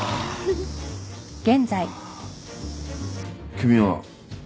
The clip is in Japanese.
君は。